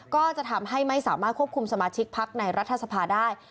ก็จะทำให้ไม่สามารถควบคุมสมาชิกพักในรัฐสภาได้